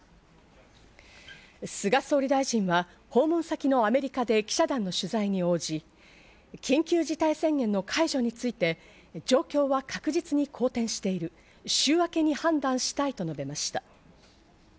菅総理大臣は訪問先のアメリカで記者団の取材に応じ、緊急事態宣言の解除について状況は確実に好転している、週明けに判断したいと述べました。